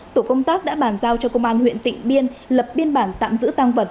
tổ công tác đã bàn giao cho công an huyện tịnh biên lập biên bản tạm giữ tăng vật